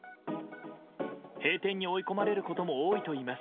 閉店に追い込まれることも多いといいます。